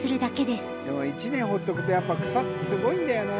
でも１年ほっとくとやっぱ草ってすごいんだよね。